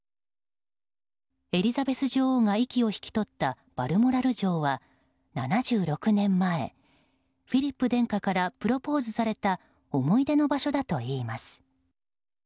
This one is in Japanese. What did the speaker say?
エリザベス女王が息を引き取ったバルモラル城は７６年前、フィリップ殿下からプロポーズされた思い出の場所だといいます。